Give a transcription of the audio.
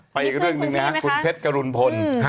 อีกเรื่องหนึ่งนะครับคุณเพชรกรุณพล